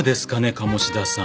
鴨志田さん。